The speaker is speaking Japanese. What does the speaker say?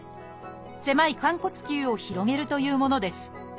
狭い寛骨臼を広げるというものです。